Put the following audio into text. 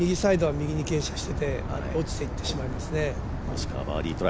右サイドは右に傾斜してて落ちていってしまいますね。